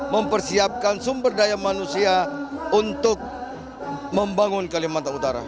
mempersiapkan sumber daya manusia untuk membangun kalimantan utara